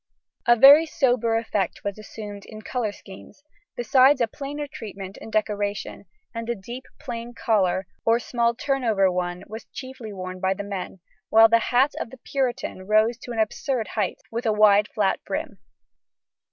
A very sober effect was assumed in colour schemes, besides a plainer treatment in decoration, and a deep plain collar or a small turn over one was chiefly worn by the men, while the hat of the Puritan rose to an absurd height, with a wide flat brim.